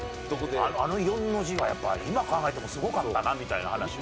あの４の字はやっぱ今考えてもすごかったなみたいな話を。